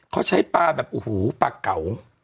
เขาใช้ปลาแบบโอ้โหปลาเก่า